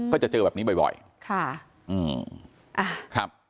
ก็จะเจอแบบนี้บ่อยค่ะอืมอ่ะครับ